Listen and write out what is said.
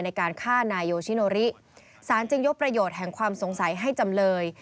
ในการฆ่านายโยชิโนริสารจึงยกประโยชน์แห่งความสงสัยให้จำเลย